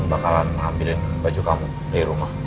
bakalan ngambilin baju kamu dari rumah